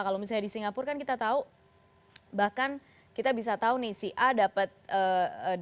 kalau misalnya di singapura kan kita tahu bahkan kita bisa tahu nih si a dapat virus covid sembilan belas